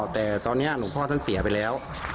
แต่ตอนนี้หลวงพ่อท่านเสียไปแล้ว